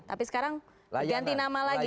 tapi sekarang ganti nama lagi